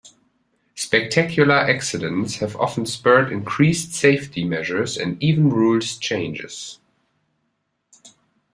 Spectacular accidents have often spurred increased safety measures and even rules changes.